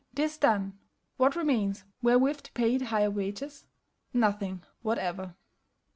This done, what remains wherewith to pay the higher wages? Nothing whatever.